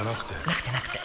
なくてなくて